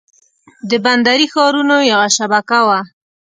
د بندري ښارونو یوه شبکه وه.